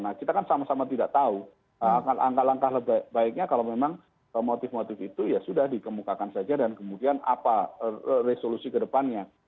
nah kita kan sama sama tidak tahu langkah langkah baiknya kalau memang motif motif itu ya sudah dikemukakan saja dan kemudian apa resolusi ke depannya